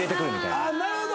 なるほど！